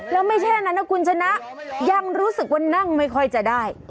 แล้วไม่เช่นนั้นนะคุณชนะยังรู้สึกว่านั่งไม่ค่อยจะได้